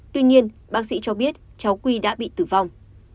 tuy nhiên bác sĩ cho biết cháu quy đã bị tử vong